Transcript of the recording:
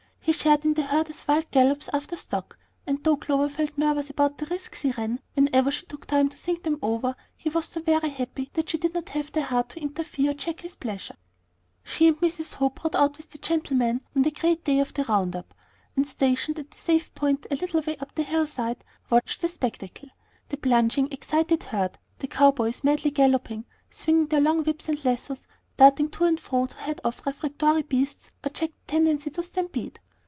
He shared in the herders' wild gallops after stock, and though Clover felt nervous about the risks he ran, whenever she took time to think them over, he was so very happy that she had not the heart to interfere or check his pleasure. She and Mrs. Hope rode out with the gentlemen on the great day of the round up, and, stationed at a safe point a little way up the hillside, watched the spectacle, the plunging, excited herd, the cow boys madly galloping, swinging their long whips and lassos, darting to and fro to head off refractory beasts or check the tendency to stampede.